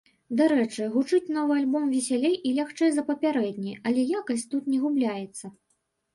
Дарэчы, гучыць новы альбом весялей і лягчэй за папярэдні, але якасць тут не губляецца.